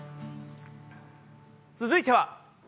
続いては。